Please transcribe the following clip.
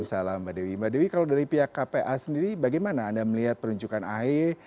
salam mbak dewi mbak dewi kalau dari pihak kpa sendiri bagaimana anda melihat penunjukan ahy